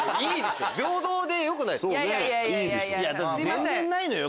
全然ないのよ？